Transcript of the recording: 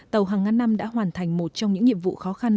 tàu hàng ngàn năm đã hoàn thành một trong những nhiệm vụ khó khăn